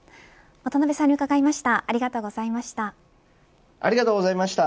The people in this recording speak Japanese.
渡辺さんに伺いました。